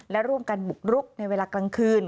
และร่วมกันบุกรุกในเวลากลางคืน